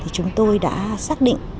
chúng tôi đã xác định